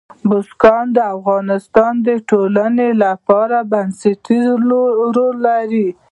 بزګان د افغانستان د ټولنې لپاره بنسټيز رول لري.